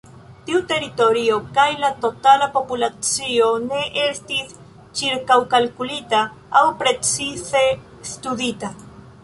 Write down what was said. Tiu teritorio kaj la totala populacio ne estis ĉirkaŭkalkulita aŭ precize studita.